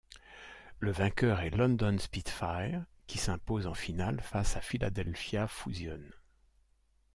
Le vainqueur est London Spitfire qui s'impose en finale face à Philadelphia Fusion.